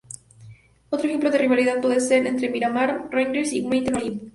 Otro ejemplo de rivalidad puede ser entre Miramar Rangers y Wellington Olympic.